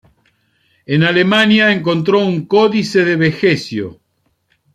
En Alemania encontró un códice de Vegecio.